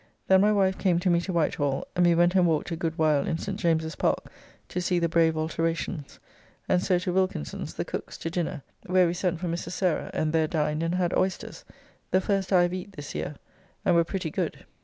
Then my wife came to me to Whitehall, and we went and walked a good while in St. James's Park to see the brave alterations, and so to Wilkinson's, the Cook's, to dinner, where we sent for Mrs. Sarah and there dined and had oysters, the first I have eat this year, and were pretty good.